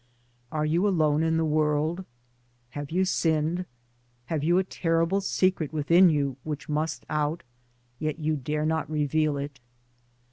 Are you alone in the world? Have you sinned ? have you a terrible secret within you which must out, yet you dare not reveal it?